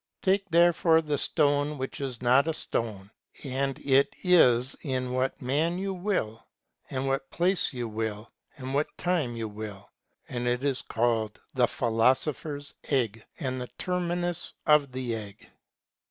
Take, therefore, the stone which is not a stone, and it is in what man you will, and what place you will, and what time you will ; and it is called the philosopher's egg, and the terminus of the egg."